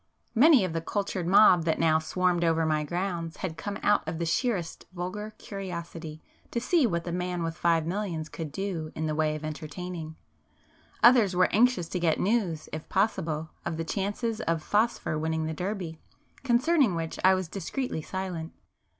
Many of the 'cultured' mob that now swarmed over my grounds had come out of the sheerest vulgar curiosity to see what 'the man with five millions' could do in the way of entertaining,—others were anxious to get news, if possible, of the chances of 'Phosphor' winning the Derby, concerning which I was discreetly silent.